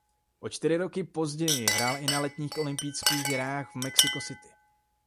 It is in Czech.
O čtyři roky později hrál i na letních olympijských hrách v Mexico City.